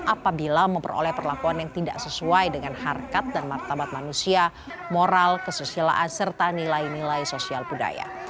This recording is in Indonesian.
apabila memperoleh perlakuan yang tidak sesuai dengan harkat dan martabat manusia moral kesusilaan serta nilai nilai sosial budaya